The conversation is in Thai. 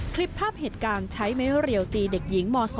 คลิปภาพเหตุการณ์ใช้ไม้เรียวตีเด็กหญิงม๒